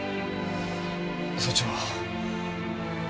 そっちは？